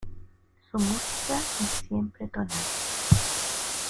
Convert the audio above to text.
Su música es siempre tonal.